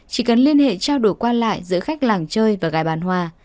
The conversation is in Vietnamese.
chỉ cần liên hệ trao đổi qua lại giữa khách làng chơi và gài bán hoa